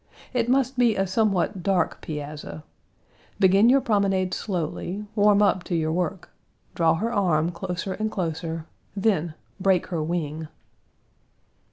It must be a somewhat dark piazza. Begin your promenade slowly; warm up to your work; draw her arm closer and closer; then, break her wing."